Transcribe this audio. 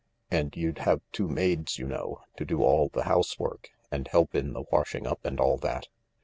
"And you'd have two maids, you know, to do all the housework, and help in the washing up and all that."